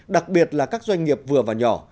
đặc biệt là các doanh nghiệp vừa và nhỏ